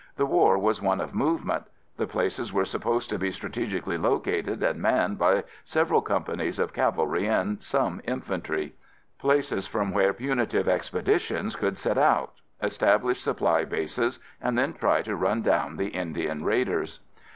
The war was one of movement. The places were supposed to be strategically located and manned by several companies of cavalry and some infantry; places from where punitive expeditions could set out, establish supply bases, then try to run down the Indian raiders.